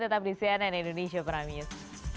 tetap di cnn indonesia prime news